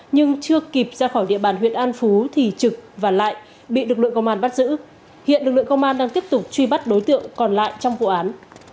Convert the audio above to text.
nhưng chưa kịp ra khỏi địa bàn huyện an phú thì trực và lại bị lực lượng công an bắt giữ hiện lực lượng công an đang tiếp tục truy bắt đối tượng còn lại trong vụ án